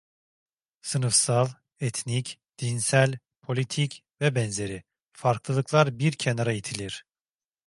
Sınıfsal, etnik, dinsel, politik, vb. farklılıklar bir kenara itilir.